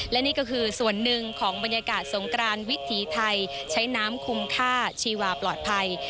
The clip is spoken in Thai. และนี่ก็คือส่วนหนึ่งของบรรยากาศสงกรานวิถีไทยใช้น้ำคุ้มค่าชีวาปลอดภัย